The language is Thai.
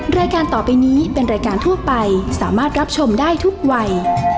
รายการต่อไปนี้เป็นรายการทั่วไปสามารถรับชมได้ทุกวัย